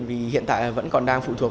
vì hiện tại vẫn còn đang phụ thuộc